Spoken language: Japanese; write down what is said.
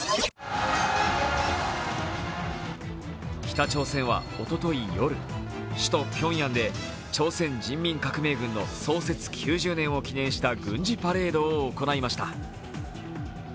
北朝鮮はおととい夜、首都ピョンヤンで朝鮮人民革命軍の創設９０年を記念した軍事パレードを行いました。